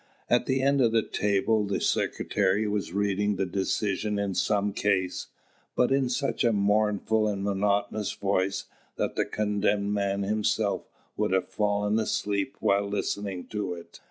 At the end of the table, the secretary was reading the decision in some case, but in such a mournful and monotonous voice that the condemned man himself would have fallen asleep while listening to it.